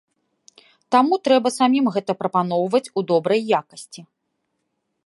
Таму трэба самім гэта прапаноўваць у добрай якасці.